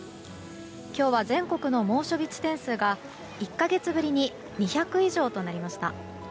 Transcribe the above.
今日は全国の猛暑日地点数が１か月ぶりに２００以上となりました。